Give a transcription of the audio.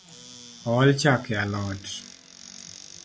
Ool chak e alot